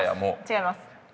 違います。